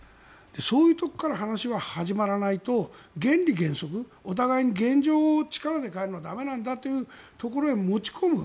そういうとこから話が始まらないと原理原則、お互いに現状を力で変えるのは駄目なんだというところに持ち込む。